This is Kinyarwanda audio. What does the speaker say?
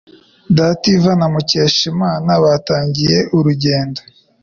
Dativa na Mukeshimana batangiye urugendo.